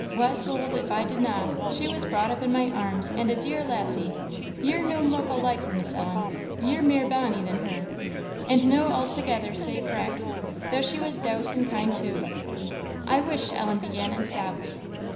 "Wha suld if I didna? she was brought up in my arms, and a dear lassie. Ye're no muckle like her, Miss Ellen; ye're mair bonny than her; and no a'thegither sae frack; though she was douce and kind too." "I wish," Ellen began, and stopped.